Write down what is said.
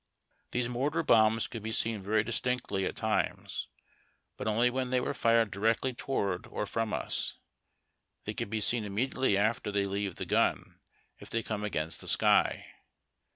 These mortar bombs could be seen very distinctly at times, but only when they were fired directly toward or from us. They can be seen immediately after they leave the gun if they come against the sky.